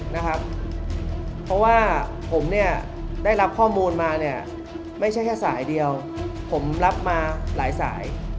เพราะว่าผมเนี่ยได้รับข้อมูลมาเนี่ยไม่ใช่แค่สายเดียวผมรับมาหลายสาย